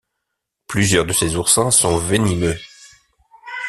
Plusieurs de ces oursins sont venimeux.